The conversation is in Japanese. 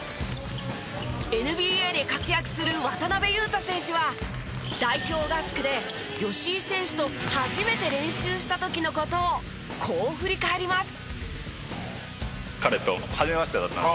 ＮＢＡで活躍する渡邊雄太選手は代表合宿で吉井選手と初めて練習した時の事をこう振り返ります。